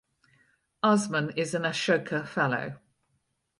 Usman is an Ashoka Fellow.